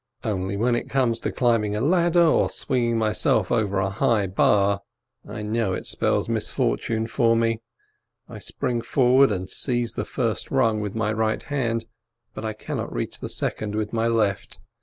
Only when it comes to climbing a ladder or swing ing myself over a high bar, I know it spells misfortune for me. I spring forward, and seize the first rung with my right hand, but I cannot reach the second with my left.